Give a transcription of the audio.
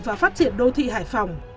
và phát triển đô thị hải phòng